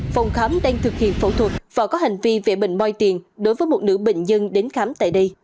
công an tp hcm đang thực hiện phẫu thuật và có hành vi vẽ bệnh môi tiền đối với một nữ bệnh nhân đến khám tại đây